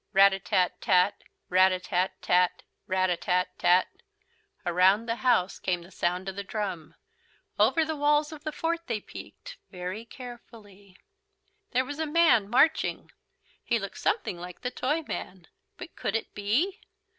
Rat a tat tat. Rat a tat tat. Rat a tat tat. Around the house came the sound of the drum. Over the walls of the fort they peeked very carefully. There was a man marching. He looked something like the Toyman. But could it be?